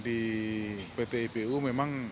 di pt ibu memang